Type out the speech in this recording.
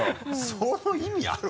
その意味ある？